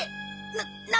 な何！？